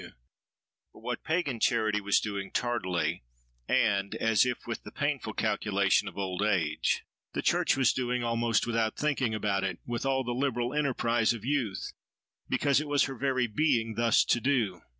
But what pagan charity was doing tardily, and as if with the painful calculation of old age, the church was doing, almost without thinking about it, with all the liberal enterprise of youth, because it was her very being thus to do.